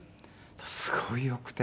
すごいよくて。